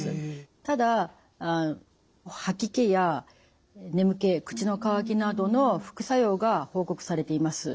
ただ吐き気や眠気口の渇きなどの副作用が報告されています。